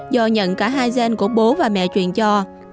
do nhận cả hai gen của bố và mẹ truyền cho